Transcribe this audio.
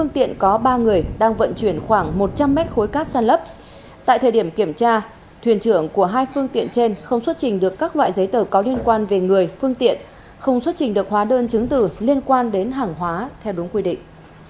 tại thời điểm kiểm tra thuyền trưởng của hai phương tiện trên không xuất trình được các loại giấy tờ có liên quan về người phương tiện không xuất trình được hóa đơn chứng từ liên quan đến hàng hóa theo đúng quy định